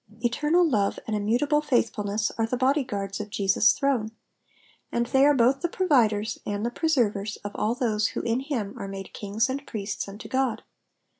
Eternal love and immutable faithfulness are the bodyguards of Jesus* throne, and they are both the providers and the preservers of all those who in him are made kings and priests unto God.